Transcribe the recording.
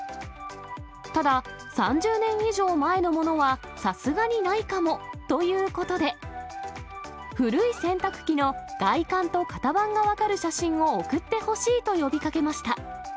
ただ、３０年以上前のものはさすがにないかも、ということで、古い洗濯機の外観と型番が分かる写真を送ってほしいと呼びかけました。